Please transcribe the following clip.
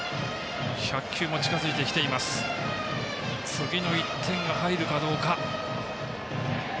次の１点が入るかどうか。